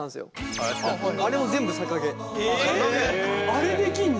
あれできんだ。